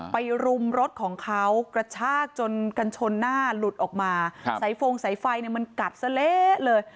รุมรถของเขากระชากจนกันชนหน้าหลุดออกมาสายฟงสายไฟเนี่ยมันกัดซะเละเลย